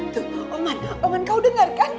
tuh oman oman kau dengar kan